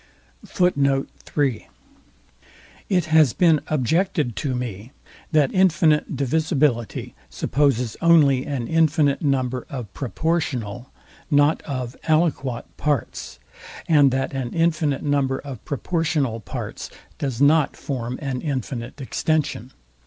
It has been objected to me, that infinite divisibility supposes only an infinite number of PROPORTIONAL not of ALIQIOT parts, and that an infinite number of proportional parts does not form an infinite extension.